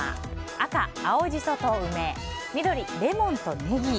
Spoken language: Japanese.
赤、青ジソ＋梅緑、レモン＋ネギ。